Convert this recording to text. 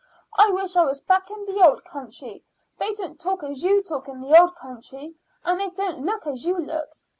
I wish I was back in the old country. They don't talk as you talk in the old country and they don't look as you look.